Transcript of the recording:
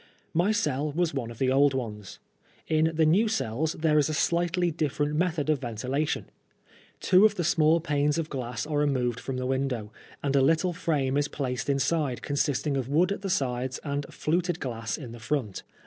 My cell was one of the old ones. In the new cells there is a slightly different method of ventilation. Two of the small panes of glass are removed from the window, and a little frame is placed inside, consisting of wood at the sides and fluted glass in the front.